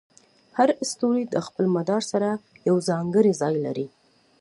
هر ستوری د خپل مدار سره یو ځانګړی ځای لري.